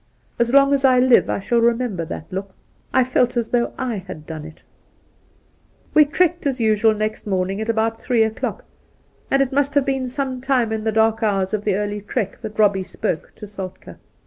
As long as I live I shall remember that look. I felt as though / had done it ! We trekked as usual next morning at about three o'clock, and it must have been some time in the dark hours of the early trek that Eobbie spoke to Soltk^.